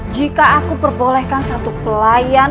jika aku perbolehkan satu pelayan